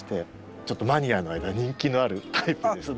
ちょっとマニアの間で人気のタイプですね。